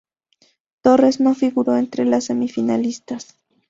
Torres no figuró entre las semifinalistas.